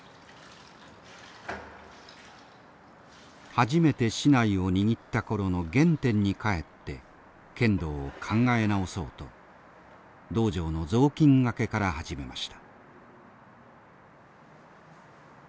初めて竹刀を握ったころの原点に返って剣道を考え直そうと道場の雑巾がけから始めました。